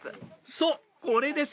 そうこれです